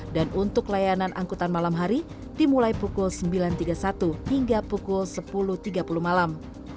dan untuk layanan angkutan malam hari dimulai pukul sembilan tiga puluh satu hingga pukul sepuluh tiga puluh malam